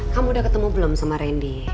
kamu udah ketemu belum sama randy